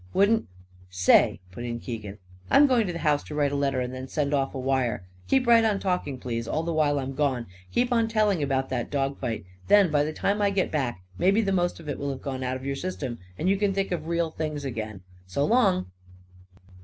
Wouldn't " "Say!" put in Keegan. "I'm going to the house to write a letter and then send off a wire. Keep right on talking, please, all the while I'm gone. Keep on telling about that dog fight. Then, by the time I get back, maybe the most of it will have got out'n your system and you can think of real things again. So long."